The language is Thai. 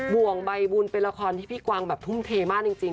วงใบบุญเป็นละครที่พี่กวางแบบทุ่มเทมากจริง